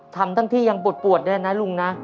ทำทั้งที่ยังปวดด้วยนะลุงนะ